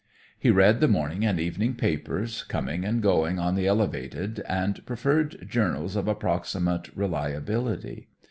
He read the morning and evening papers coming and going on the elevated, and preferred journals of approximate reliability.